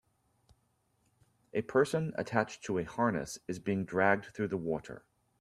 A person attached to a harness is being dragged through the water.